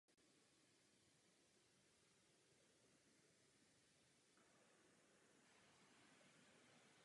Jako Molly Sloan se objevila v seriálu "Kriminálka Miami".